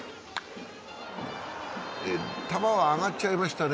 球は上がっちゃいましたね。